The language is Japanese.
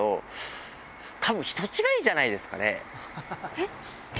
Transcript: えっ？